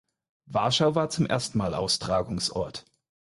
Warschau war zum ersten Mal Austragungsort.